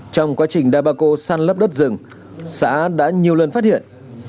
trong quá trình da bà cô san lấp đất rừng xã đã nhiều lần phát hiện